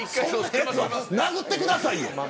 殴ってくださいよ。